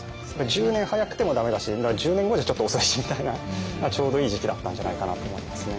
１０年早くても駄目だし１０年後じゃちょっと遅いしみたいなちょうどいい時期だったんじゃないかなと思いますね。